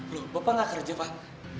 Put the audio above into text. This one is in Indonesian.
loh bapak nggak kerja pak